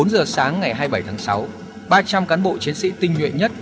bốn giờ sáng ngày hai mươi bảy tháng sáu ba trăm linh cán bộ chiến sĩ tinh nhuệ nhất